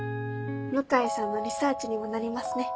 向井さんのリサーチにもなりますね。